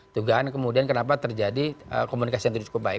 dugaan kemudian kenapa terjadi komunikasi yang tidak cukup baik